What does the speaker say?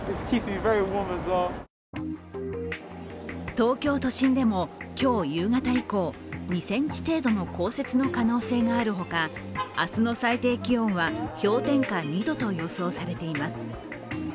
東京都心でも今日夕方以降、２ｃｍ程度の降雪の可能性があるほか、明日の最低気温は氷点下２度と予想されています。